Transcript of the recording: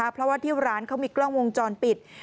เพราะว่าที่ร้านเขามีกล้องวงจรปิด